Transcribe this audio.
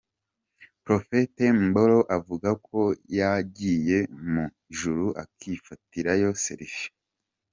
Prophet Mboro avuga ko yagiye mu ijuru akifatirayo 'Selfie'.